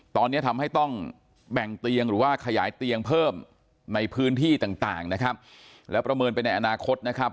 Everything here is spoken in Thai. ตอนนี้ทำให้ต้องแบ่งเตียงหรือว่าขยายเตียงเพิ่มในพื้นที่ต่างต่างนะครับแล้วประเมินไปในอนาคตนะครับ